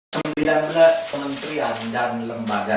kementerian dan lembaga